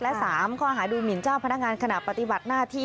และ๓ข้อหาดูหมินเจ้าพนักงานขณะปฏิบัติหน้าที่